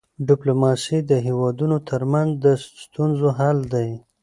ډيپلوماسي د هيوادونو ترمنځ د ستونزو حل دی.